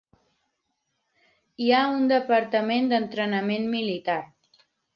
Hi ha un departament d'entrenament militar.